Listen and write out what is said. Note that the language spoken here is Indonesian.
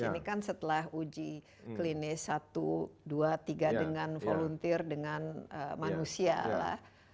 ini kan setelah uji klinis satu dua tiga dengan volunteer dengan manusia lah